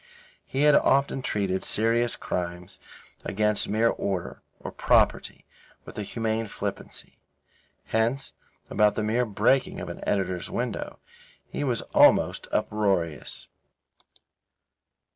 He had often treated serious crimes against mere order or property with a humane flippancy. Hence, about the mere breaking of an editor's window, he was almost uproarious.